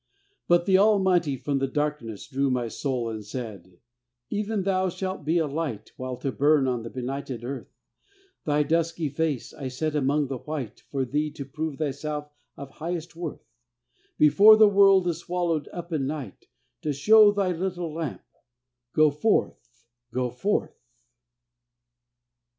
But the Almighty from the darkness drew My soul and said: Even thou shalt be a light Awhile to burn on the benighted earth, Thy dusky face I set among the white For thee to prove thyself of highest worth; Before the world is swallowed up in night, To show thy little lamp: go forth, go forth!